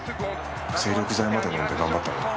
精力剤まで飲んで頑張ったのに。